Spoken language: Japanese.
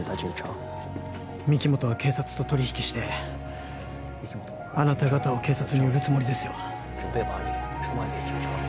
御木本は警察と取り引きしてあなた方を警察に売るつもりですよ